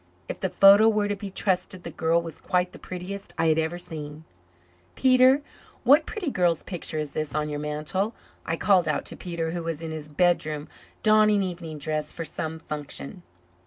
If the photo were to be trusted the girl was quite the prettiest I had ever seen. "Peter, what pretty girl's picture is this on your mantel?" I called out to Peter, who was in his bedroom, donning evening dress for some function.